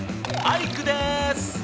アイクです！